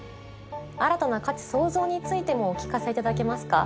新たな価値創造についてもお聞かせいただけますか？